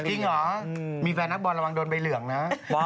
จริงเหรอมีแฟนนักบอลระวังโดนใบเหลืองนะ